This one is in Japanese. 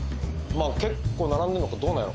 まあ結構並んでんのかどうなんやろ？